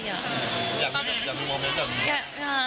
อยากมีโมเมนต์แบบนี้